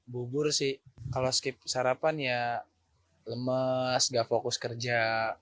bubur sih kalau skip sarapan ya lemes gak fokus kerja